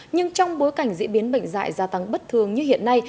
nhưng trong bối cảnh diễn biến bệnh dại gia tăng bất thường như hiện nay